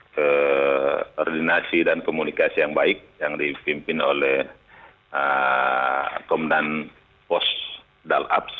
keordinasi dan komunikasi yang baik yang dipimpin oleh komendan pos dalab